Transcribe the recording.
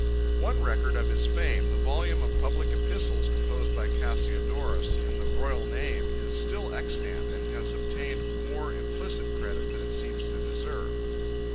24 One record of his fame, the volume of public epistles composed by Cassiodorus in the royal name, is still extant, and has obtained more implicit credit than it seems to deserve.